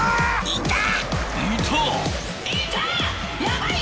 いた！